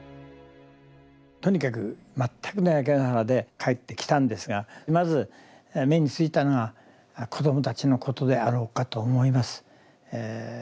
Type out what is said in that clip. とにかく全くの焼け野原で帰ってきたんですがまず目についたのは子どもたちのことであろうかと思います。